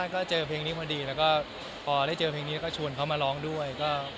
ก็หาเพลงมันพอดีพอจะชวนเขามาร้องด้วย